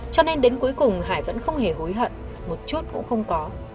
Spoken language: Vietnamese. cho nên đến cuối cùng hải vẫn không hề hối hận một chút cũng không có